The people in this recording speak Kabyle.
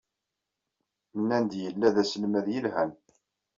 Nnan-d yella d aselmad yelhan.